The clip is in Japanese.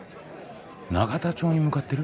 永田町に向かってる？